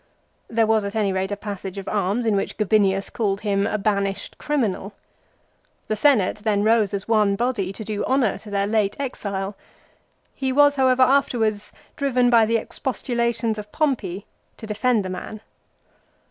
There was at any rate a passage of arms in which Gabinius called him a banished criminal. 1 The Senate then rose as one body to do honour to their late exile. He was, however, after wards driven by the expostulations of Pompey to defend the man.